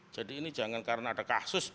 jadi ini jangan karena ada kasus